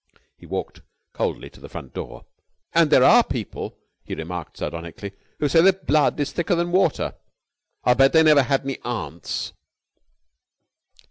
He walked coldly to the front door. "And there are people," he remarked sardonically, "who say that blood is thicker than water! I'll bet they never had any aunts!"